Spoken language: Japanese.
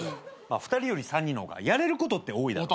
２人より３人の方がやれることって多いだろ？